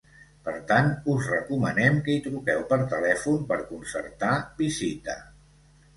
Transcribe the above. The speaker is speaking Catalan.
Per tant, us recomanem que hi truqueu per telèfon per concertar visita.